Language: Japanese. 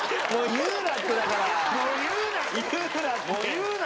言うな！